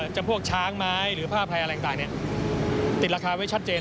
จำพวกช้างไม้หรือผ้าไทยอะไรต่างติดราคาไว้ชัดเจน